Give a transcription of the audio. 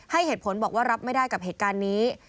ให้เหตุผลบอกว่ารับไม่ได้กับเหตุการณ์นี้